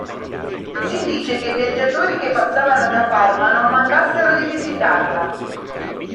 Si dice che i viaggiatori che passavano da Parma non mancassero di visitarla.